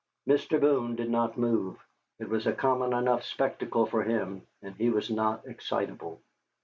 Mr. Boone did not move. It was a common enough spectacle for him, and he was not excitable.